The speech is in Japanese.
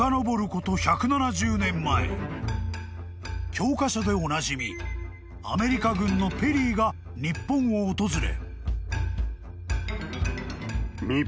［教科書でおなじみアメリカ軍のペリーが日本を訪れ］